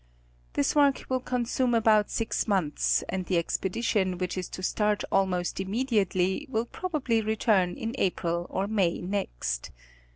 This work will consume about six months, and the expe dition which is to start almost immediately will probably return in April or May next.